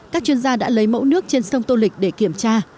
các chuyên gia đã lấy mẫu nước trên sông tô lịch để kiểm tra